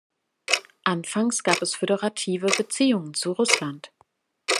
Anfangs gab es föderative Beziehungen zu Russland.